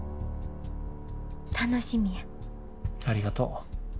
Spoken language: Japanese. ありがとう。